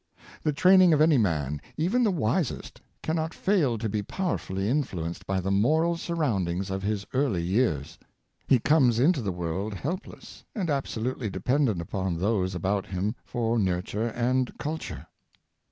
The training of any man, even the wisest, cannot fail to be powerfully influenced by the moral surroundings of his early years. He comes into the world helpless, and absolutely dependent upon those about him for nur . ture and culture.